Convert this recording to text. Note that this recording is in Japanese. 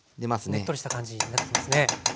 ねっとりした感じになってきますね。